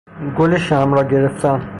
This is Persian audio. گل شمع را گرفتن